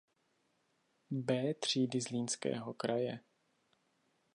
B třídy Zlínského kraje.